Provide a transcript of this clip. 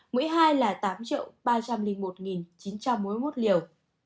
mũi hai là tám ba trăm linh một chín trăm bốn mươi một liều